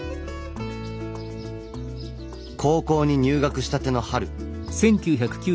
高校に入学したての春。